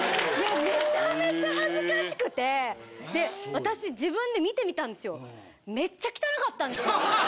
めちゃめちゃ恥ずかしくてで私自分で見てみたんですよ。